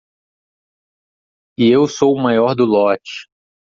E eu sou o maior do lote.